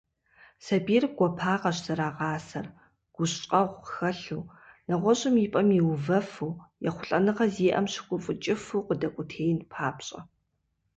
Сабийр гуапагъэщ зэрагъасэр, гущӏэгъу хэлъу, нэгъуэщӏым и пӏэм иувэфу, ехъулӏэныгъэ зиӏэм щыгуфӏыкӏыфу къыдэкӏуэтеин папщӏэ.